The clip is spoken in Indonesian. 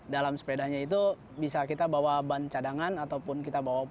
dalam sepedanya itu bisa kita bawa ban cadangan ataupun kita bawa